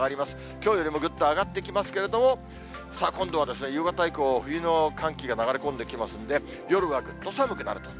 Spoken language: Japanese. きょうよりもぐっと上がってきますけれども、さあ、今度は夕方以降、冬の寒気が流れ込んできますんで、夜はぐっと寒くなると。